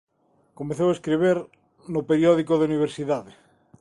Comezou a escribir no periódico da universidade.